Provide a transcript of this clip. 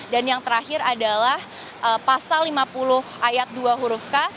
dan yang terakhir adalah pasal lima puluh ayat dua huruf k